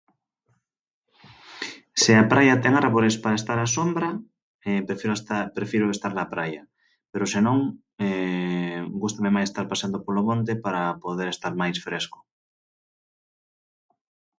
Se a praia ten árbores para estar a sombra, prefiro esta, prefiro estar na praia, pero se non gústame máis estar paseando polo monte para poder estar máis fresco.